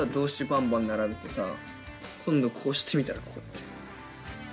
ばんばん並べてさ今度こうしてみたらこうやって。